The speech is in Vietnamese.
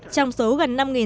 trong số gần năm tàu tàu